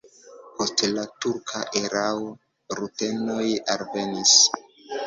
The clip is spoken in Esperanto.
Post la turka erao rutenoj alvenis.